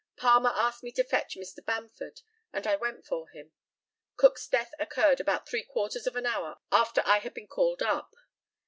Palmer asked me to fetch Mr. Bamford, and I went for him. Cook's death occurred about three quarters of an hour after I had been called up.